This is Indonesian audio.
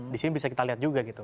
disini bisa kita lihat juga gitu